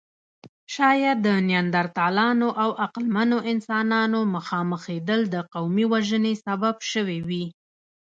شاید د نیاندرتالانو او عقلمنو انسانانو مخامخېدل د قومي وژنې سبب شوې وي.